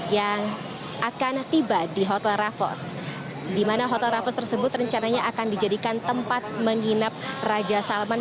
yang akan tiba di hotel raffles di mana hotel raffles tersebut rencananya akan dijadikan tempat menginap raja salman